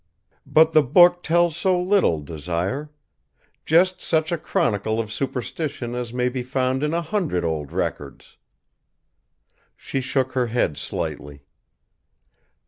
"But the book tells so little, Desire. Just such a chronicle of superstition as may be found in a hundred old records." She shook her head slightly.